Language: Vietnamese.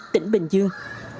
tỉnh bình dương